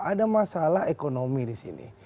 ada masalah ekonomi di sini